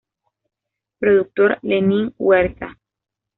Productor Lenin Huerta